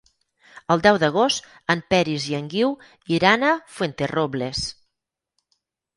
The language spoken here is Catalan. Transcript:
El deu d'agost en Peris i en Guiu iran a Fuenterrobles.